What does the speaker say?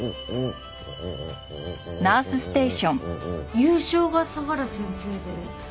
優勝が相良先生で。